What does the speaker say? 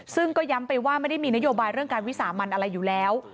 ซึ่งก็ย้ำไปว่าไม่ได้มีนโยบายเรื่องการวิสามันอะไรอยู่แล้ว